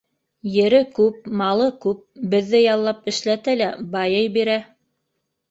Ере күп, малы күп, беҙҙе яллап эшләтә лә байый бирә.